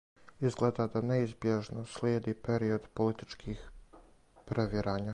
Изгледа да неизбјежно слиједи период политичких превирања.